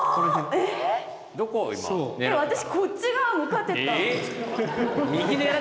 えっ私こっち側向かってた。